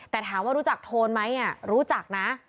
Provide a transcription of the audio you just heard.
แต่ถามว่ารู้จักโทนไหมรู้จักนะ